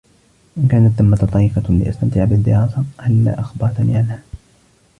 إن كانت ثمّة طريقة لأستمتع بالدراسة، هلّا أخبرتني عنها؟